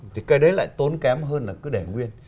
thì cái đấy lại tốn kém hơn là cứ để nguyên